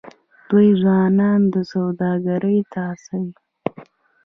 دوی ځوانان سوداګرۍ ته هڅوي.